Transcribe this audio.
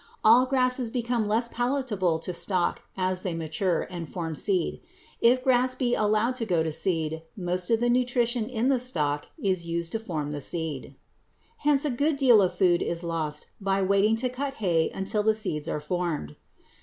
All grasses become less palatable to stock as they mature and form seed. If grass be allowed to go to seed, most of the nutrition in the stalk is used to form the seed. [Illustration: FIG. 229. HARVESTING ALFALFA] Hence a good deal of food is lost by waiting to cut hay until the seeds are formed.